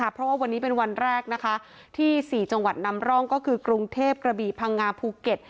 เพราะว่าวันนี้เป็นวันแรกที่๔จังหวัดนำร่องก็คือกรุงเทพกระบี่พังงาภูเก็ต